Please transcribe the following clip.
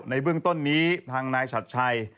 ในเบื้องต้นนี้ทางนายชัดชัย